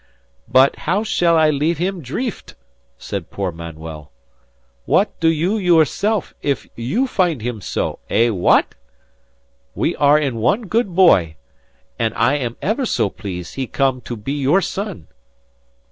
"But how shall I leave him dreeft?" said poor Manuel. "What do you yourself if you find him so? Eh, wha at? We are in one good boy, and I am ever so pleased he come to be your son."